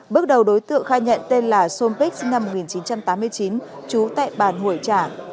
bước đầu đối tượng khai nhận tên là sôn bích sinh năm một nghìn chín trăm tám mươi chín chú tại bản hủy trả